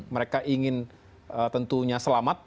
mereka ingin tentunya selamat